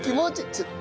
ちょっと。